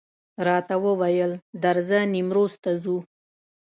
راته وویل درځه نیمروز ته ځو.